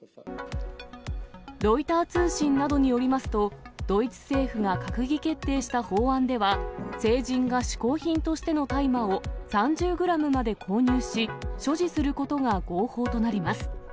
ロイター通信などによりますと、ドイツ政府が閣議決定した法案では、成人がしこう品としての大麻を３０グラムまで購入し、所持することが合法となります。